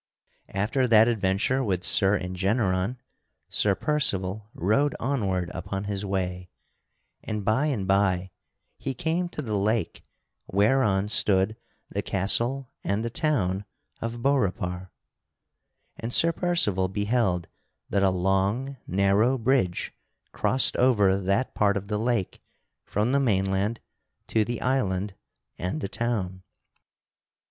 After that adventure with Sir Engeneron, Sir Percival rode onward upon his way, and by and by he came to the lake whereon stood the castle and the town of Beaurepaire. And Sir Percival beheld that a long narrow bridge crossed over that part of the lake from the mainland to the island and the town.